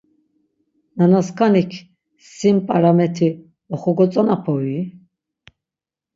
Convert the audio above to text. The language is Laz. Nana skanik sin p̌arameti oxogotzonapui?